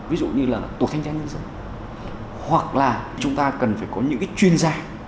ví dụ như là tổ chức nhân dân hoặc là chúng ta cần phải có những cái chuyên gia